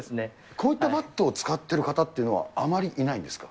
こういったバットを使ってる方っていうのは、あまりいないですか？